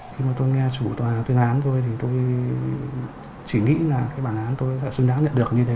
khi mà tôi nghe chủ tòa tuyên án thôi thì tôi chỉ nghĩ là cái bản án tôi đã xứng đáng nhận được như thế